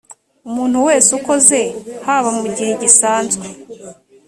umuntu wese ukoze haba mu gihe gisanzwe